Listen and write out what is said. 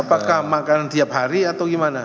apakah makanan tiap hari atau gimana